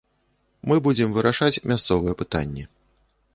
Мы будзем вырашаць мясцовыя пытанні.